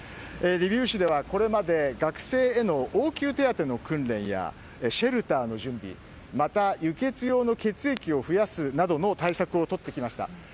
リビウ市ではこれまで学生への応急手当の訓練やシェルターの準備、また輸血用の血液を増やすなどの対策をとってきました。